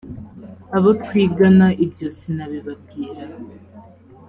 abo twigana ibyo sinabibabwira.